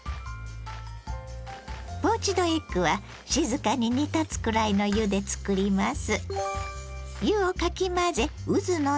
ポーチドエッグは静かに煮立つくらいの湯で作ります。